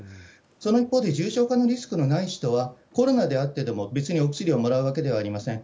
その一方で、重症化のリスクのない人は、コロナであってでも別にお薬をもらうわけではありません。